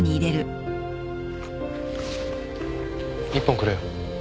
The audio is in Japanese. １本くれよ。